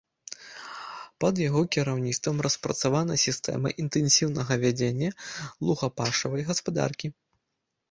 Пад яго кіраўніцтвам распрацавана сістэма інтэнсіўнага вядзення лугапашавай гаспадаркі.